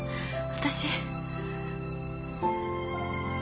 私。